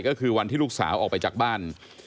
ก็คือวันที่ลูกสาวออกไปจากบ้าน